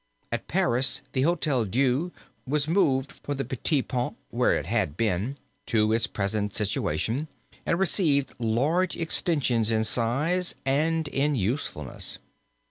At Paris, the Hotel Dieu was moved from the Petit Pont, where it had been, to its present situation and received large extensions in size and in usefulness.